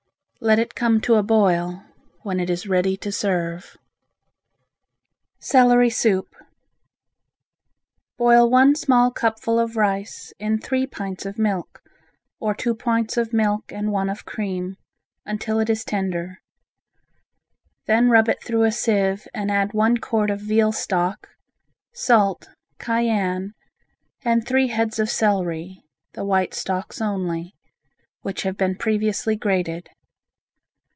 Let it come to a boil, when it is ready to serve. Celery Soup Boil one small cupful of rice in three pints of milk, or two pints of milk and one of cream, until it is tender. Then rub it through a sieve and add one quart of veal stock, salt, cayenne, and three heads of celery (the white stalks only) which have been previously grated.